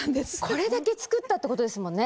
これだけ作ったってことですもんね。